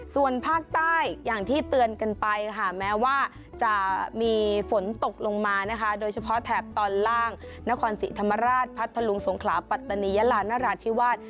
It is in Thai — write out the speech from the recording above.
ส่วนภาคใต้อย่างที่เตือนกันไปค่ะแม้ว่าจะมีฝนตกลงมานะคะโดยเฉพาะแถบตอนล่างนครศรีธรรมราชพัทธลุงสงขลาปัตตานียาลานราธิวาส